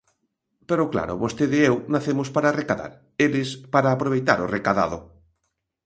Pero claro, vostede e eu nacemos para recadar, eles para aproveitar o recadado.